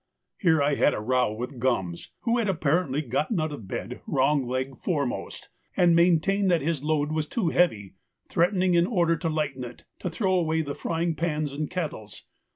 Here I had a row with Gums, who had apparently got out of bed wrong leg foremost, and maintained that his load was too heavy, threatening, in order to lighten it, to throw away the frying pans and kettles.